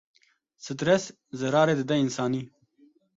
Stres zerarê dide însanî.